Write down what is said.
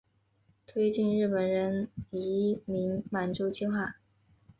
推进日本人移民满洲计划。